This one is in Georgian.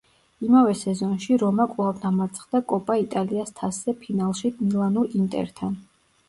იმავე სეზონში რომა კვლავ დამარცხდა კოპა იტალიას თასზე ფინალში მილანურ ინტერთან.